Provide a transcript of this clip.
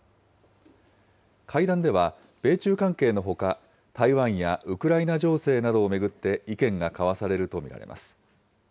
会談では米中関係のほか、台湾やウクライナ情勢などを巡って意見が交わされると見られます。